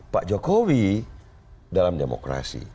pak jokowi dalam demokrasi